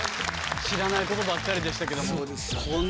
知らないことばっかりでしたけども。